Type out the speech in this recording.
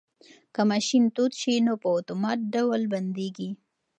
که ماشین تود شي نو په اتومات ډول بندیږي.